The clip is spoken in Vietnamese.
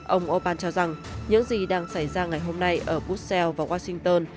ông orbán cho rằng những gì đang xảy ra ngày hôm nay ở brussels và washington